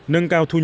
nâng cao thu nhận